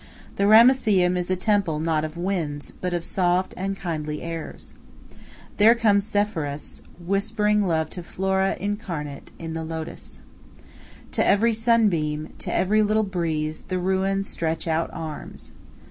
The Ramesseum is a temple not of winds, but of soft and kindly airs. There comes Zephyrus, whispering love to Flora incarnate in the Lotus. To every sunbeam, to every little breeze, the ruins stretch out arms.